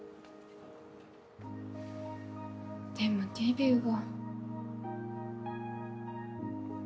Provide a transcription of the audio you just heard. でもデビューが。